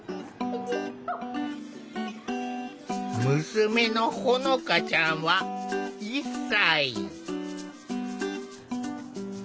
娘のほのかちゃんは１歳。